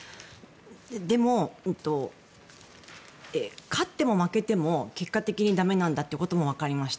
でも、勝っても負けても結果的にだめなんだということも分かりました。